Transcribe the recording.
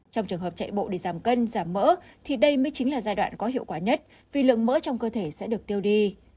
trong trường hợp chạy bộ để giảm cân giảm mỡ thì đây mới chính là giai đoạn có hiệu quả nhất vì lượng mỡ trong cơ thể sẽ được tiêu đi